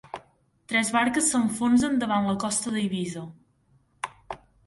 Tres barques s'enfonsen davant la costa d'Eivissa